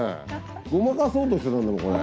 ごまかそうとしてたんだもんこれ。